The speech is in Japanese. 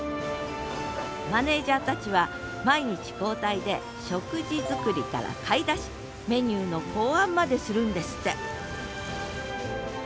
マネージャーたちは毎日交代で食事作りから買い出しメニューの考案までするんですって